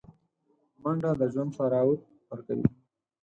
منډه د ژوند طراوت ورکوي